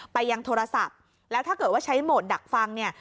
ไปยังโทรศัพท์แล้วถ้าเกิดว่าใช้โหมดดักฟังเนี่ย